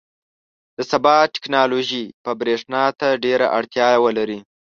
• د سبا ټیکنالوژي به برېښنا ته ډېره اړتیا ولري.